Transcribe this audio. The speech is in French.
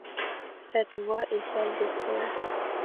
Cette voix est celle de Saul.